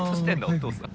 お父さん。